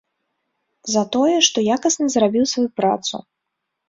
За тое, што якасна зрабіў сваю працу.